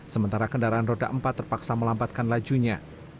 sementara kendaraan roda empat terpaksa melambatkan lajunya